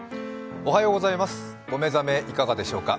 お目覚めいかがでしょうか。